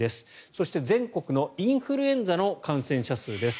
そして、全国のインフルエンザの感染者数です。